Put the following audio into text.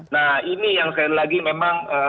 nah ini yang sekali lagi memang